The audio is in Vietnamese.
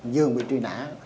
dương bị truy nã